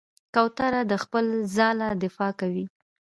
کوتره د خپل ځاله دفاع کوي.